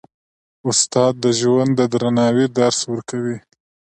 استاد د ژوند د درناوي درس ورکوي.